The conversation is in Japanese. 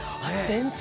全然。